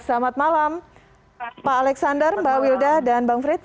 selamat malam pak alexander mbak wilda dan bang frits